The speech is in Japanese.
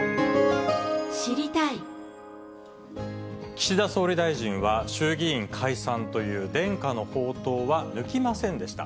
岸田総理大臣は衆議院解散という伝家の宝刀は抜きませんでした。